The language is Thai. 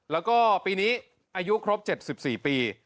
แล้วก็ปีนี้อายุครบ๗๔ปี